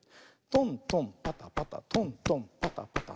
トントンパタパタトントンパタパタ。